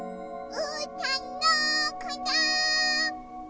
うーたんどこだ？